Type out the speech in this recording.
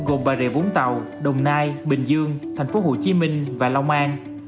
gồm bà rệ vũng tàu đồng nai bình dương tp hcm và long an